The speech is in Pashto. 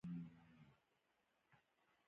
په دې ډول به دا څپرکی پای ته ورسوو.